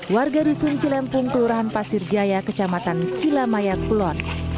warga rusun cilempung kelurahan pasir jaya kecamatan kilamayak pulau